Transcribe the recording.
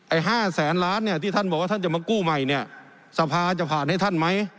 ๕แสนล้านเนี่ยที่ท่านบอกว่าท่านจะมากู้ใหม่เนี่ยสภาจะผ่านให้ท่านไหม